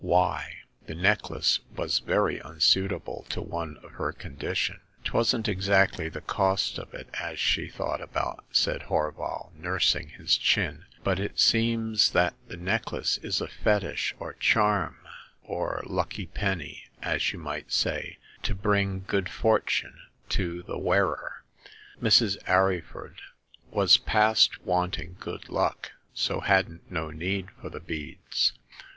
" Why ? The necklace was very unsuitable to one of her condition." Twasn't exactly the cost of it as she thought about,*' said Horval, nursing his chin, but it seems that the necklace is a fetish, or charm, or lucky penny, as you might say, to bring good for tune to the wearer. Mrs. Arryford was past wanting good luck, so hadn't no need for the beads.